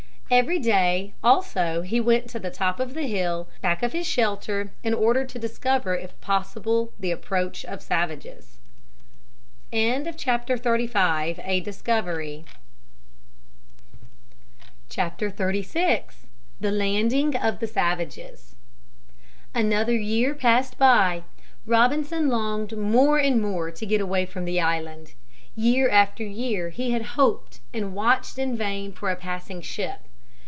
Every day also he went to the top of the hill back of his shelter in order to discover if possible the approach of savages. XXXVI THE LANDING OF THE SAVAGES Another year passed by, Robinson longed more and more to get away from the island. Year after year he had hoped and watched in vain for a passing ship.